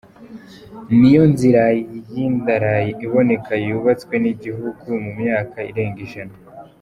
N'iyo nzira y'indarayi iboneka yubatswe n'igihugu mu myaka irenga ijana.